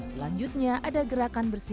selanjutnya ada gerakan berhubungan